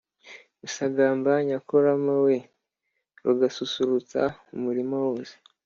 Rusagamba nyakurama we rugasusurutsa umurima wose